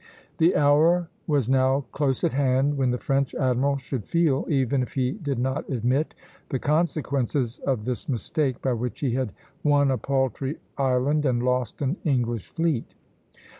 The hour was now close at hand when the French admiral should feel, even if he did not admit, the consequences of this mistake, by which he had won a paltry island and lost an English fleet.